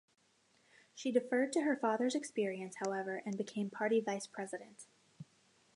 She deferred to her father's experience, however, and became party vice-president.